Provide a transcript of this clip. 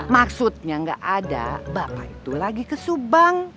maksudnya nggak ada bapak itu lagi ke subang